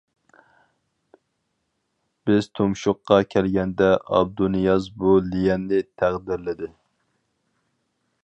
بىز تۇمشۇققا كەلگەندە ئابدۇنىياز بۇ ليەننى تەقدىرلىدى.